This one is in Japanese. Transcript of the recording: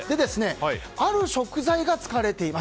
ある食材が使われています。